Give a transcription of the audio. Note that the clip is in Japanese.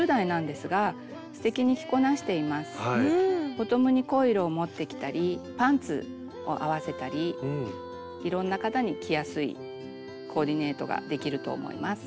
ボトムに濃い色を持ってきたりパンツを合わせたりいろんな方に着やすいコーディネートができると思います。